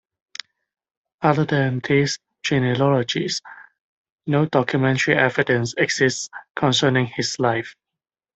Other than these genealogies, no documentary evidence exists concerning his life.